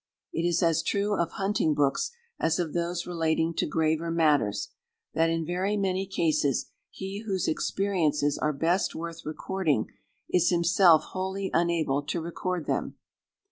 It is as true of hunting books as of those relating to graver matters, that in very many cases he whose experiences are best worth recording is himself wholly unable to record them.